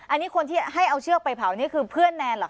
อันนี้คนที่ให้เอาเชือกไปเผานี่คือเพื่อนแนนเหรอค